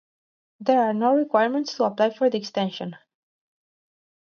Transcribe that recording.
There are no requirements to apply for the extension.